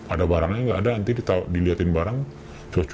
ada barangnya nggak ada nanti dilihatin barang cocok aja